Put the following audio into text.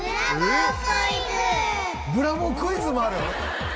ブラボークイズもあるん！？